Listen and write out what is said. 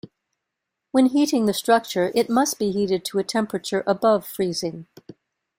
When heating the structure, it must be heated to a temperature above freezing.